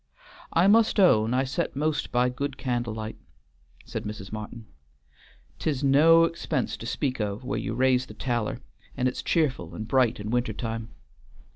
"I must own I set most by good candle light," said Mrs. Martin. "'T is no expense to speak of where you raise the taller, and it's cheerful and bright in winter time.